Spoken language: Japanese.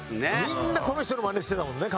みんなこの人の真似してたもんね